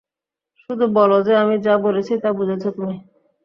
শুধু বলো যে, আমি যা বলেছি, তা বুঝেছ তুমি।